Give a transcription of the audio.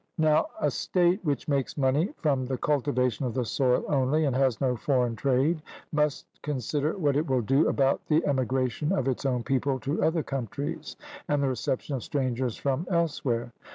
Now a state which makes money from the cultivation of the soil only, and has no foreign trade, must consider what it will do about the emigration of its own people to other countries, and the reception of strangers from elsewhere.